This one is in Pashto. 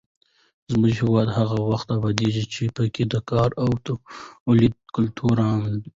زموږ هېواد هغه وخت ابادېږي چې پکې د کار او تولید کلتور عام شي.